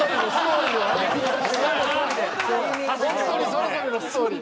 ホントにそれぞれのストーリー。